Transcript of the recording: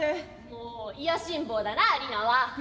「もう卑しん坊だなリナは」。